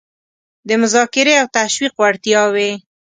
د مذاکرې او تشویق وړتیاوې